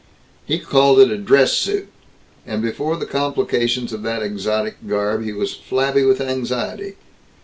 He called it "a dress suit," and before the complications of that exotic garb, he was flabby with anxiety.